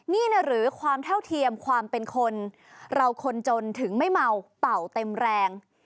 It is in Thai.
นี่หรือความเท่าเทียมความเป็นคนเราคนจนถึงไม่เมาเป่าเต็มแรง